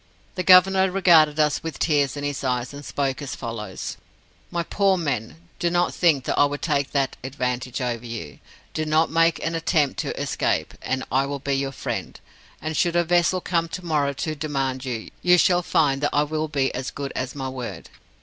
The Governor regarded us with tears in his eyes, and spoke as follows: 'My poor men, do not think that I would take that advantage over you. Do not make an attempt to escape, and I will be your friend, and should a vessel come tomorrow to demand you, you shall find I will be as good as my word.